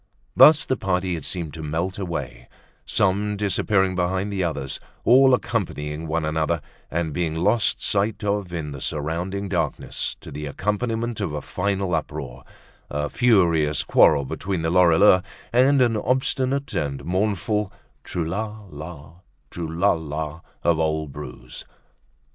Thus the party had seemed to melt away, some disappearing behind the others, all accompanying one another, and being lost sight of in the surrounding darkness, to the accompaniment of a final uproar, a furious quarrel between the Lorilleuxs, and an obstinate and mournful "trou la la, trou la la," of old Bru's.